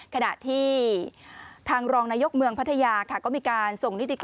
ขณะที่ทางรองนายกเมืองพัทยาค่ะก็มีการส่งนิติกรรม